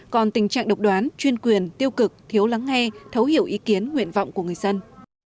còn tình trạng độc đoán chuyên quyền tiêu cực thiếu lắng nghe thấu hiểu ý kiến nguyện vọng của người dân